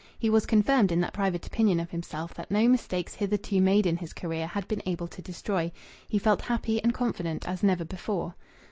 He was confirmed in that private opinion of himself that no mistakes hitherto made in his career had been able to destroy. He felt happy and confident as never before.